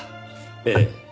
ええ。